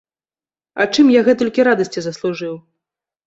А чым я гэтулькі радасці заслужыў?